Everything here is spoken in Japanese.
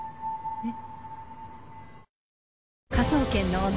えっ？